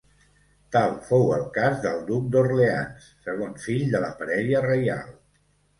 Tal fou el cas del duc d'Orleans, segon fill de la parella reial.